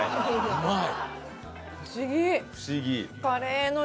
うまい！